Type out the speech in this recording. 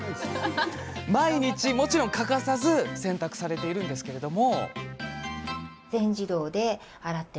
毎日、もちろん欠かさず洗濯されているんすけれども。